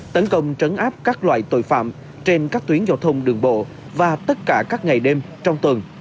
tấn công trấn áp các loại tội phạm trên các tuyến giao thông đường bộ và tất cả các ngày đêm trong tuần